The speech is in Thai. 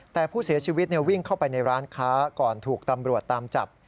แต่ผู้เสียชีวิตวิ่งเข้าไปในร้านค้าก่อนถูกตำรวจตามจับ